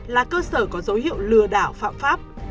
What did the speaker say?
là cơ sở có dấu hiệu lừa đảo phạm pháp